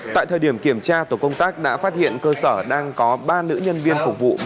tại thời điểm kiểm tra tổ công tác đã phát hiện cơ sở đang có ba nữ nhân viên phục vụ